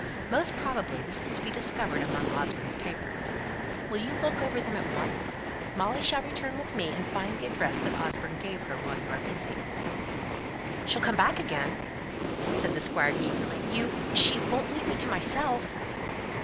Most probably this is to be discovered among Osborne's papers. Will you look over them at once? Molly shall return with me, and find the address that Osborne gave her, while you are busy " "She'll come back again?" said the Squire eagerly. "You she won't leave me to myself?"